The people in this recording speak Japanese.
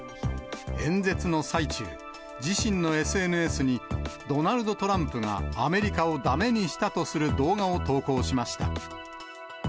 演説の最中、自身のＳＮＳにドナルド・トランプがアメリカをだめにしたとする動画を投稿しました。